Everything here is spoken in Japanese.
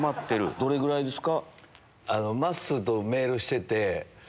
どれぐらいですか？